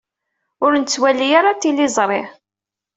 Ur nettwalit ara tiliẓri.